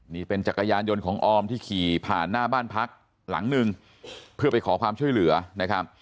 นี่เป็นจักรยานยนต์ของออมที่ขี่ผ่านหน้าบ้านพักหลังหนึ่งเพื่อไปขอความช่วยเหลือนะครับ